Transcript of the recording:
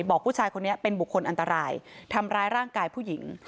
บอกผู้ชายคนนี้เป็นบุคคลอันตรายทำร้ายร่างกายผู้หญิง